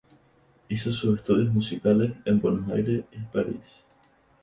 Hizo sus estudios musicales en Buenos Aires y París.